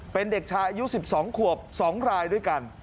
เป็นเด็กชายอายุ๑๒ขวบ๒รายด้วยกัน